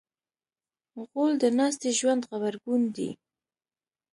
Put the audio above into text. غول د ناستې ژوند غبرګون دی.